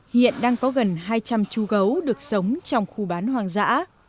hiện đang có gần hai trăm linh chú gấu được sống trong khu bán hoang dã